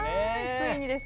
ついにですね。